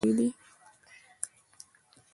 د موته همدې ساحه کې دوه غونډۍ دي.